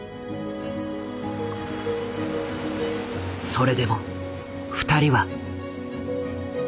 それでも２人は。